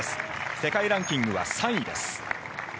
世界ランキングは３位です。